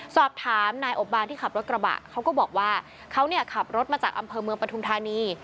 สอบถามนายอบบานที่ขับรถกระบะเขาก็บอกว่าเขาเนี่ยขับรถมาจากอำเภอเมืองปฐุมธานี